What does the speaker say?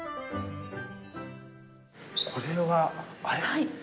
これは、あれっ？